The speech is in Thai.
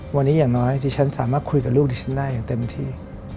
วันนี้อย่างน้อยที่ฉันสามารถคุยกับลูกดิฉันได้อย่างเต็มที่